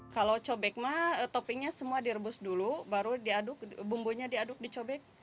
kalau cobek mah toppingnya semua direbus dulu baru diaduk bumbunya diaduk dicobek